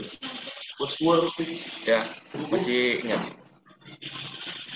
post war ya masih inget